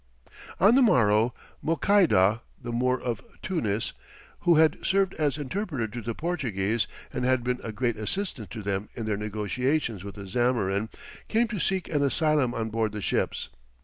On the morrow, Mouçaïda the Moor of Tunis who had served as interpreter to the Portuguese, and had been a great assistance to them in their negotiations with the Zamorin, came to seek an asylum on board the ships.